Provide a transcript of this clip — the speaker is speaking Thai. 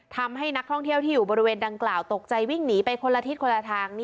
ทำให้นักท่องเที่ยวที่อยู่บริเวณดังกล่าวตกใจวิ่งหนีไปคนละทิศคนละทาง